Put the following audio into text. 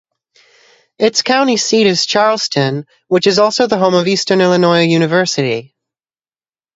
Its county seat is Charleston, which is also the home of Eastern Illinois University.